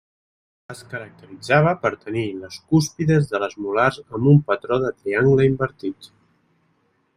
Es caracteritzava per tenir les cúspides de les molars amb un patró de triangle invertit.